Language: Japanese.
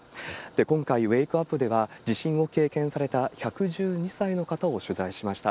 今回、ウェークアップでは、地震を経験された１１２歳の方を取材しました。